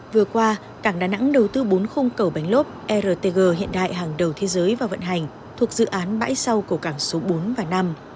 vừa qua cảng đà nẵng đầu tư bốn khung cầu bánh lốp rtg hiện đại hàng đầu thế giới vào vận hành thuộc dự án bãi sau của cảng số bốn và năm